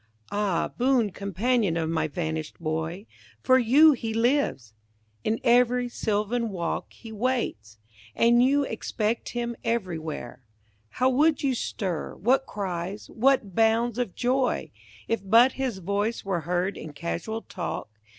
Ah, boon companion of my vanished boy. For you he lives; in every sylvan walk He waits; and you expect him everywhere. How would you stir, what cries, what bounds of joy. If but his voice were heard in casual talk.